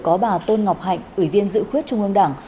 có bà tôn ngọc hạnh ủy viên dự khuyết trung ương đảng